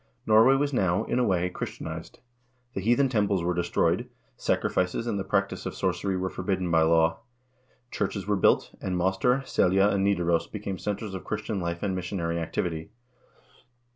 2 Norway was now, in a way, Christianized. The heathen temples were destroyed, sacrifices and the practice of sorcery were forbidden by law ; churches were built, and Moster, Selja, and Nidaros became centers of Christian life and missionary activity.